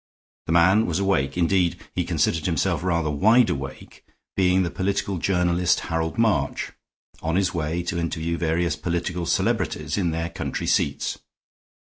The man was awake; indeed, he considered himself rather wide awake, being the political journalist, Harold March, on his way to interview various political celebrities in their country seats.